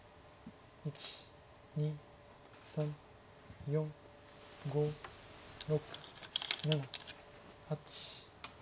１２３４５６７８。